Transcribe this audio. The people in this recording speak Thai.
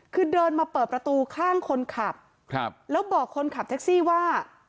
คือเดินมาเปิดประตูข้างคนขับแล้วบอกคนขับแท็กซี่ว่า